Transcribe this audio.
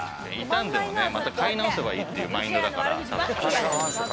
傷んでも買い直せばいいっていうマインドだから。